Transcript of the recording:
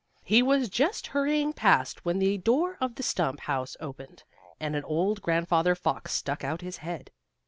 He was just hurrying past, when the door of the stump house opened, and an old grandfather fox stuck out his head.